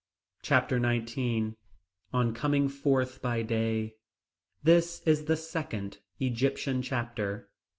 Chapter XIX On Coming Forth by Day. This is the second Egyptian chapter.